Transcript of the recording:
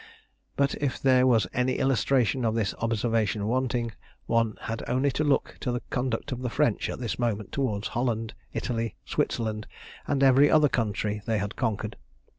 But if there was any illustration of this observation wanting, one had only to look to the conduct of the French at this moment towards Holland, Italy, Switzerland, and every other country they had conquered.